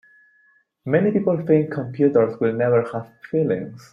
Many people think computers will never have feelings.